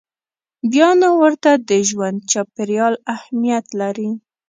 بیا نو نه ورته د ژوند چاپېریال اهمیت لري.